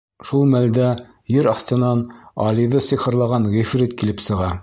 Шул мәлдә ер аҫтынан Алиҙы сихырлаған ғифрит килеп сыға.